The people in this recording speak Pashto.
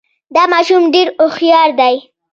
دا ماشوم ډېر هوښیار دی.